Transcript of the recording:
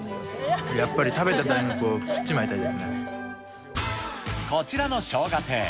やっぱり食べた大学を食っちこちらのしょうが亭。